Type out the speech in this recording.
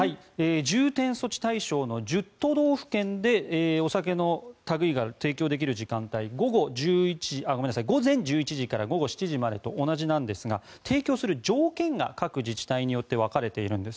重点措置対象の１０都道府県でお酒の類いが提供できる時間帯午前１１時から午後７時までと同じなんですが提供する条件が各自治体によって分かれているんです。